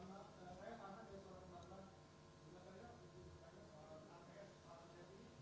saya sering berterima kasih